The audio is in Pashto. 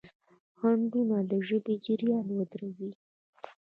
خنډونه د ژبې جریان ودروي.